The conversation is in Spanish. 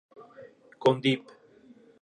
Con Dep.